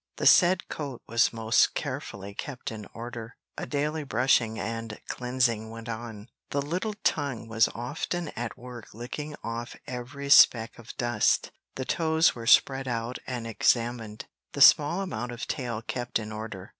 The said coat was most carefully kept in order; a daily brushing and cleansing went on, the little tongue was often at work licking off every little speck of dust; the toes were spread out and examined; the small amount of tail kept in order.